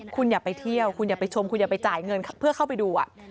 คุณอย่าไปเที่ยวคุณอย่าไปชมคุณอย่าไปจ่ายเงินเพื่อเข้าไปดู